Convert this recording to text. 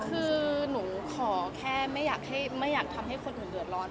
คือหนูขอแค่ไม่อยากทำให้คนอื่นเดือดร้อน